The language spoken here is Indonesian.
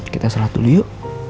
kita selat dulu yuk